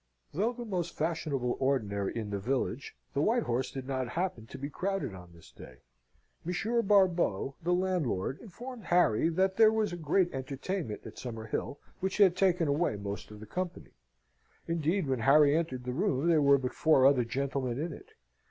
Though the most fashionable ordinary in the village, the White Horse did not happen to be crowded on this day. Monsieur Barbeau, the landlord, informed Harry that there was a great entertainment at Summer Hill, which had taken away most of the company; indeed, when Harry entered the room, there were but four other gentlemen in it.